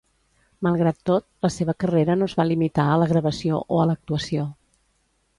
Malgrat tot, la seva carrera no es va limitar a la gravació o a l'actuació.